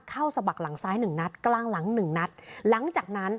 เข้าสะบักหลังซ้าย๑นัดกลางหลัง๑นัดหลังจากนั้น